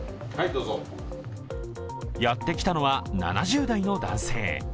やってきたのは７０代の男性。